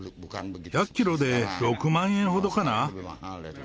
１００キロで６万円ほどかな。